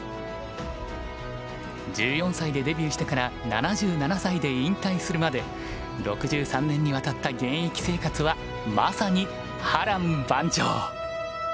１４歳でデビューしてから７７歳で引退するまで６３年にわたった現役生活はまさに波乱万丈。